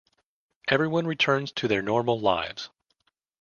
Everyone returns to their normal lives.